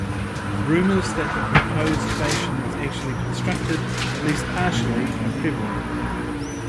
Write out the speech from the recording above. Rumors that the proposed station was actually constructed, at least partially, are prevalent.